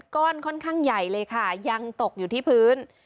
ค่อนข้างใหญ่เลยค่ะยังตกอยู่ที่พื้น